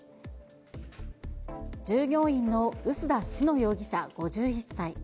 従業員の臼田信乃容疑者５１歳。